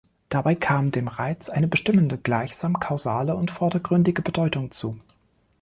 Dabei kam dem Reiz eine bestimmende, gleichsam kausale und vordergründige Bedeutung zu.